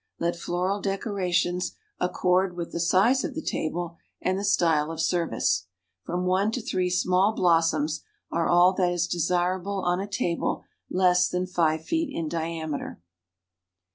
Let floral decorations accord with the size of the table and the style of serv ice. From one to three small blossoms are all that is desirable on a table less than five feet in diameter.